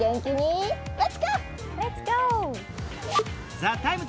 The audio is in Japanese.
「ＴＨＥＴＩＭＥ，」